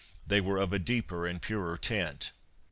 They were of a deeper and purer tint.'